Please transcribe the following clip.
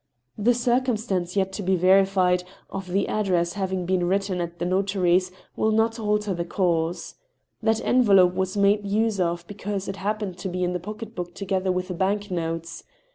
The circumstance, yet to be verified, of the address having been written at the nota ry's, will not alter the case. That envelope was made use of be cause it happened to be in the pocket book together with the bank notes.